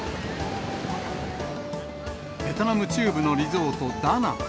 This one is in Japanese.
ベトナム中部のリゾート、ダナン。